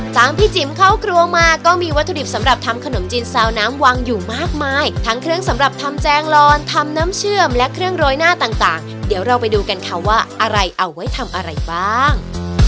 ตามพี่จิ๋มเข้าครัวมาก็มีวัตถุดิบสำหรับทำขนมจีนซาวน้ำวางอยู่มากมายทั้งเครื่องสำหรับทำแจงลอนทำน้ำเชื่อมและเครื่องโรยหน้าต่างเดี๋ยวเราไปดูกันค่ะว่าอะไรเอาไว้ทำอะไรบ้าง